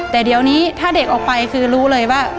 แต่เดี๋ยวนี้ถ้าเด็กออกไปคือรู้เลยว่า